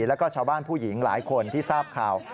แล้วก็ชาวบ้านผู้หญิงหลายคนที่ทราบข่าว